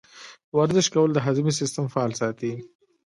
ورزش کول د هاضمې سیستم فعال ساتي.